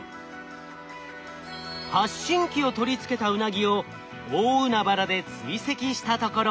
発信機を取り付けたウナギを大海原で追跡したところ。